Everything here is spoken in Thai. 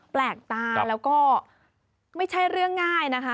แปลกตาแล้วก็ไม่ใช่เรื่องง่ายนะคะ